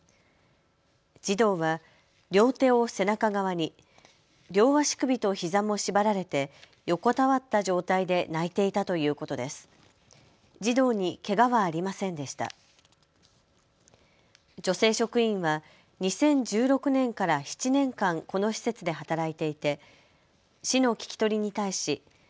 児童は両手を背中側に、両足首とひざも縛られて横たわった状態で泣いていたということです。